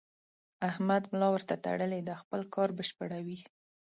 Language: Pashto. احمد ملا ورته تړلې ده؛ خپل کار بشپړوي.